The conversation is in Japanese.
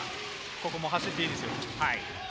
ここも走っていいですよ。